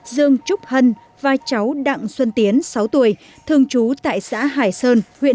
dương trúc hân vai cháu đặng xuân tiến sáu tuổi thương chú tại xã hải sơn